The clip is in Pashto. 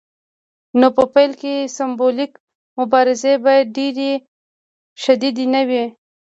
نو په پیل کې سمبولیکې مبارزې باید ډیرې شدیدې نه وي.